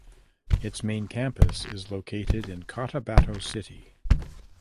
Its main campus is located in Cotabato City.